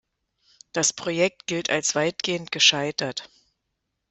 Das Projekt gilt als weitgehend gescheitert.